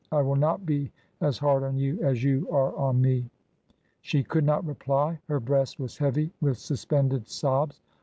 I will not be as hard on you as you are on me. She could not reply ; her breast was heavy with sus pended sobs.